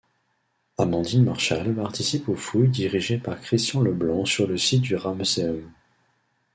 Amandine Marshall participe aux fouilles dirigées par Christian Leblanc sur le site du Ramesséum.